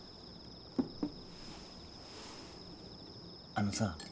あのさ。